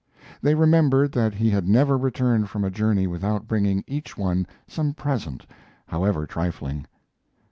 They remembered that he had never returned from a journey without bringing each one some present, however trifling.